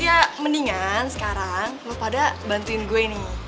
ya mendingan sekarang pada bantuin gue nih